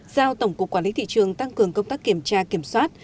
giao tổng cục quản lý thị trường tăng cường công tác kiểm tra kiểm soát